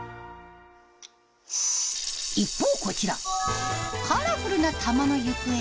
一方こちらカラフルな玉の行方にご注目。